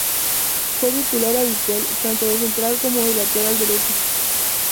Fue titular habitual tanto de central como de lateral derecho.